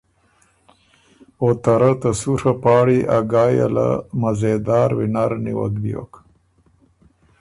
او ته رۀ ته سُوڒه پاړی ا ګایٛ یه نه له مزېدار وینر نیوَک بیوک۔